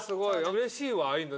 うれしいわああいうの。